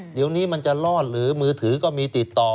เดี๋ยวนี้มันจะรอดหรือมือถือก็มีติดต่อ